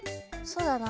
そうだな。